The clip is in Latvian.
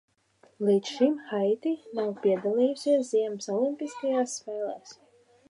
Līdz šim Haiti nav piedalījusies ziemas olimpiskajās spēlēs.